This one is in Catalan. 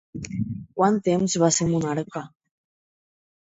Quant temps va ser monarca?